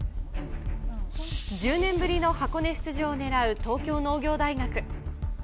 １０年ぶりの箱根出場を狙う東京農業大学。